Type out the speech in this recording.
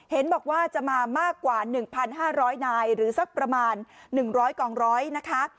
เห็นบอกว่าจะมามากกว่าหนึ่งพันห้าร้อยนายหรือสักประมาณหนึ่งร้อยกองร้อยนะคะ